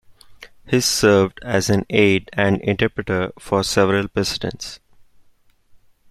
His served as an aide and interpreter for several Presidents.